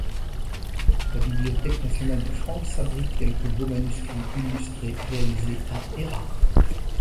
La Bibliothèque nationale de France abrite quelques beaux manuscrits illustrés réalisés à Hérat.